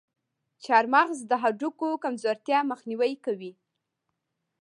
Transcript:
چارمغز د هډوکو کمزورتیا مخنیوی کوي.